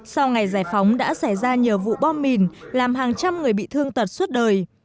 sau ngày giải phóng đã xảy ra nhiều vụ bom mìn làm hàng trăm người bị thương tật suốt đời